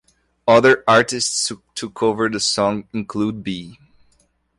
Other artists to cover the song include B.